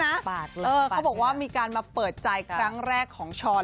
ปากเลยเออเขาบอกว่ามีการมาเปิดใจครั้งแรกของช้อน